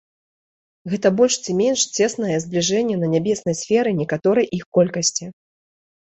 Гэта больш ці менш цеснае збліжэнне на нябеснай сферы некаторай іх колькасці.